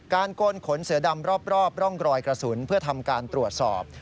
โกนขนเสือดำรอบร่องรอยกระสุนเพื่อทำการตรวจสอบ